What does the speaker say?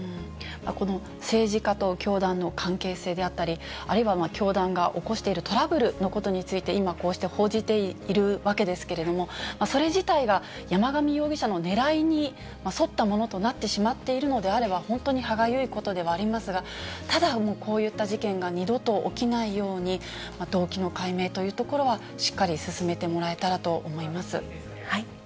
この政治家と教団の関係性であったり、あるいは教団が起こしているトラブルのことについて、今、こうして報じているわけですけれども、それ自体が山上容疑者のねらいに沿ったものとなってしまっているのであれば、本当に歯がゆいことではありますが、ただ、もう、こういった事件が二度と起きないように、動機の解明というところはしっかり進めてもらえたらと思います。